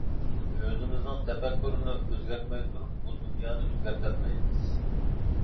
ئۆزىمىزنىڭ تەپەككۇرىنى ئۆزگەرتمەي تۇرۇپ بۇ دۇنيانى ئۆزگەرتەلمەيمىز.